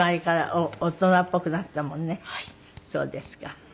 そうですか。